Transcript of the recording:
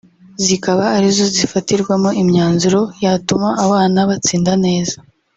zikaba ari zo zifatirwamo imyanzuro yatuma abana batsinda neza